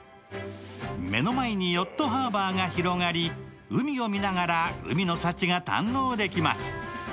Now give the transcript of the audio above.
目の前にヨットハーバーが広がり海を見ながら海の幸が堪能できます。